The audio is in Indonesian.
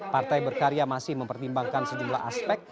partai berkarya masih mempertimbangkan sejumlah aspek